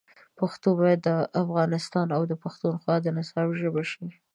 پښتو باید د افغانستان او پښتونخوا د نصاب ژبه شي.